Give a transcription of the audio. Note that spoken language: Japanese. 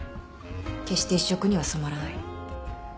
決して一色には染まらない。